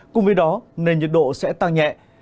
cùng với đó nền nhiệt độ sẽ tăng nhẹ